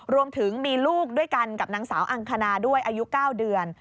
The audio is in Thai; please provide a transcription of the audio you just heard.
รวมถึงมีลูกด้วยกันกับนางสาวอังคณาด้วยอายุ๙เดือน